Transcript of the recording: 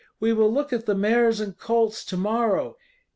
We will look at the mares and colts to morrow."